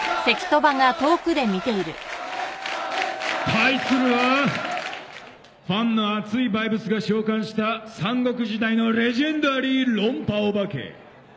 対するはファンの熱いバイブスが召喚した三国時代のレジェンダリー論破オバケ。